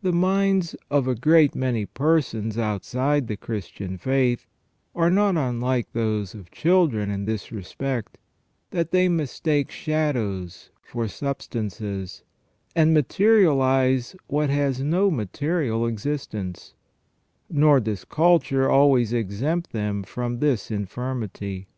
The minds of a great many persons outside the Christian faith are not unlike those of children in this respect, that they mistake shadows for sub stances, and materialize what has no material existence ; nor does culture always exempt them from this infirmity.